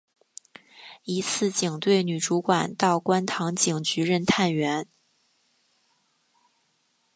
一次警队女主管到观塘警局任探员。